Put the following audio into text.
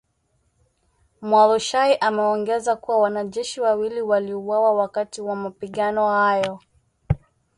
Mualushayi ameongeza kuwa wanajeshi wawili waliuawa wakati wa mapigano hayo